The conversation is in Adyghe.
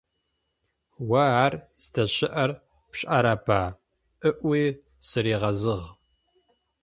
«О ар здэщыӀэр пшӀэрэба?» - ыӏуи сыригъэзыгъ.